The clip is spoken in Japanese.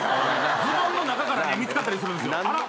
ズボンの中から見つかったりするんすよ。